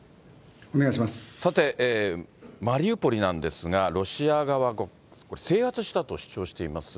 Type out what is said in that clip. さて、マリウポリなんですが、ロシア側が制圧したと主張しています。